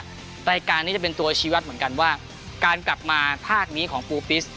รายการนี้จะเป็นตัวชีวัตรเหมือนกันว่าการกลับมาภาคนี้ของปูปิส